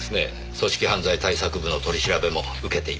組織犯罪対策部の取り調べも受けています。